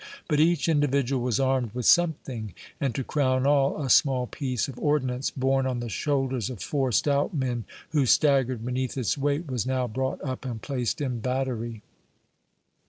But each individual was armed with something, and, to crown all, a small piece of ordnance, borne on the shoulders of four stout men, who staggered beneath its weight, was now brought up and placed in battery.